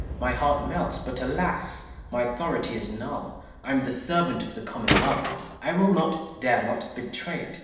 My heart melts ; but, alas ! my authority is null : I am the servant of the Commonwealth. I will not, dare not, betray it.